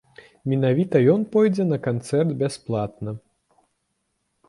Менавіта ён пойдзе на канцэрт бясплатна.